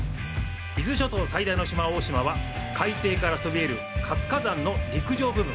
伊豆諸島最大の島・大島は海底からそびえる活火山の陸上部分。